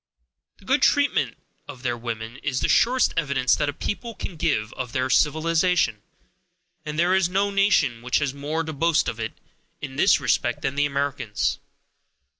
The good treatment of their women is the surest evidence that a people can give of their civilization; and there is no nation which has more to boast of, in this respect, than the Americans.